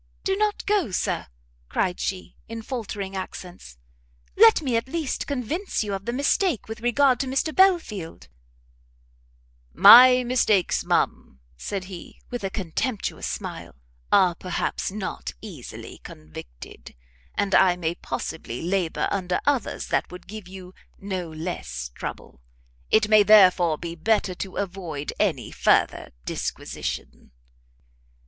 "Go not so, Sir!" cried she, in faltering accents; "let me at least convince you of the mistake with regard to Mr Belfield " "My mistakes, ma'am," said he, with a contemptuous smile, "are perhaps not easily convicted: and I may possibly labour under others that would give you no less trouble: it may therefore be better to avoid any further disquisition."